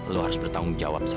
lo harus bertanggung jawab